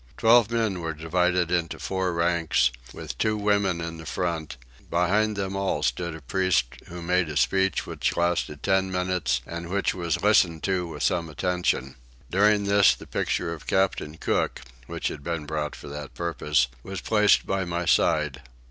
Twelve men were divided into four ranks, with two women in the front; behind them all stood a priest who made a speech which lasted ten minutes and which was listened to with some attention. During this the picture of Captain Cook, which had been brought for that purpose, was placed by my side.